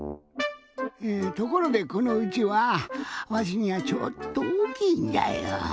えところでこのうちわわしにはちょっとおおきいんじゃよ。